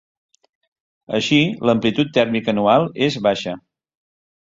Així, l'amplitud tèrmica anual és baixa.